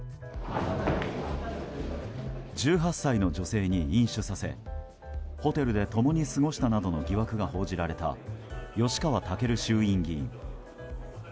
１８歳の女性に飲酒させホテルで共に過ごしたなどの疑惑が報じられた吉川赳衆院議員。